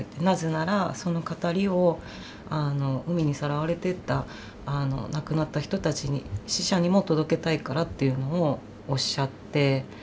なぜならその語りを海にさらわれてった亡くなった人たちに死者にも届けたいからというのをおっしゃって。